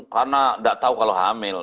karena gak tau kalau hamil